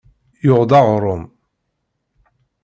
Yuɣ-d aɣrum.